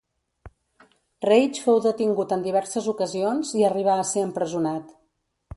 Reich fou detingut en diverses ocasions i arribà a ser empresonat.